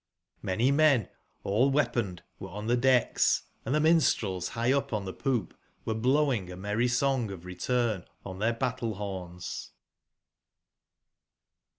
)VIany men all/weapon ed were on the decks, and the minstrels high up on the poop were blowing a merry song of return on their ba ttle/horns.